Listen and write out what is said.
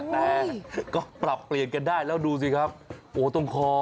แต่ก็ปรับเปลี่ยนกันได้แล้วดูสิครับโอ้ตรงคอ